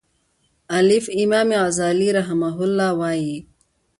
الف : امام غزالی رحمه الله وایی